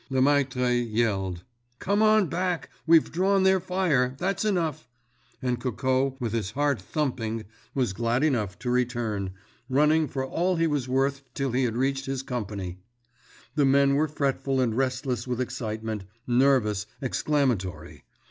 Lemaitre yelled, "Come on back! we've drawn their fire—that's enough," and Coco, with his heart thumping, was glad enough to return, running for all he was worth till he had reached his company. The men were fretful and restless with excitement, nervous, exclamatory.